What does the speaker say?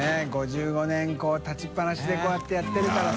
５５年立ちっぱなしでこうやってやってるからさ。